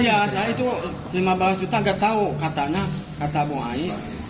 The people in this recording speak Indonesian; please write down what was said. iya itu lima belas juta nggak tahu katanya kata bung hai